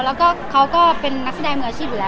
แล้วก็เขาก็เป็นนักแสดงมืออาชีพอยู่แล้ว